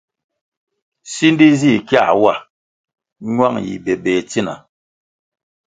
Sindi zih kiā wa, ñuang yi bébéh tsina.